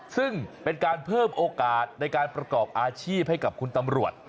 ซึ่งเป็นการเพิ่มโอกาสในการประกอบอาชีพให้กับคุณตำรวจ